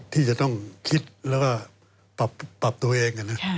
ที่จะต้องคิดแล้วก็ปรับตัวเอง